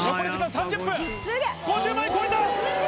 ５０万円超えた！